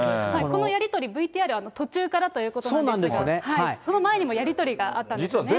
このやり取り、ＶＴＲ、途中からということなんですが、その前にもやり取りがあったんですね。